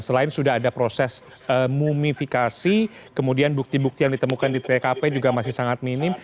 selain sudah ada proses mumifikasi kemudian bukti bukti yang ditemukan di tkp juga masih sangat minim